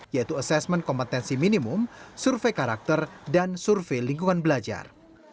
yaitu asesmen kompetensi minimum survei karakter dan survei lingkungan belajar